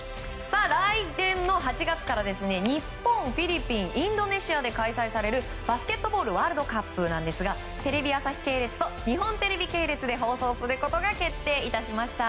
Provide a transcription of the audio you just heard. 来年の８月から日本、フィリピンインドネシアで開催されるバスケットボールワールドカップですがテレビ朝日系列と日本テレビ系列で放送することが決定致しました。